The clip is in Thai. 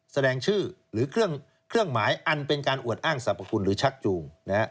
แสดงชื่อหรือเครื่องหมายอันเป็นการอวดอ้างสรรพคุณหรือชักจูง